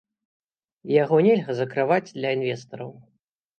І яго нельга закрываць для інвестараў.